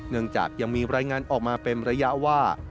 จากยังมีรายงานออกมาเป็นระยะว่า